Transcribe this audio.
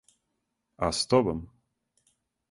А с тобом?